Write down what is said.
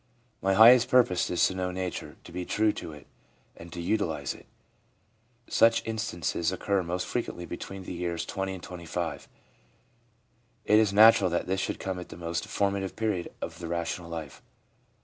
' My highest purpose is to know nature, to be true to it, and to utilise it.' Such instances occur most frequently between the years 20 and 25. It is natural that this should come at the most formative period of the rational life.